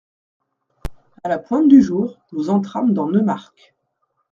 À la pointe du jour, nous entrâmes dans Neumark.